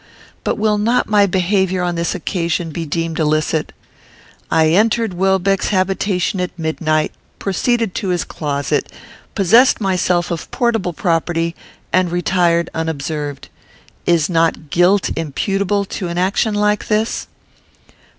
But will not my behaviour on this occasion be deemed illicit? I entered Welbeck's habitation at midnight, proceeded to his closet, possessed myself of portable property, and retired unobserved. Is not guilt imputable to an action like this?